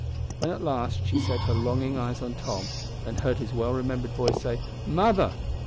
When at last she set her longing eyes on Tom, and heard his well remembered voice say, "Mother!"